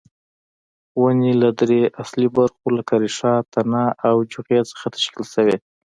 ونې له درې اصلي برخو لکه ریښه، تنه او جوغې څخه تشکیل شوې.